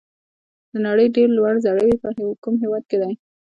د نړۍ ډېر لوړ ځړوی په کوم هېواد کې دی؟